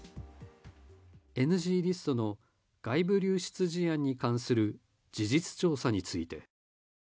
ＮＧリストの外部流出事案に関する事実調査について。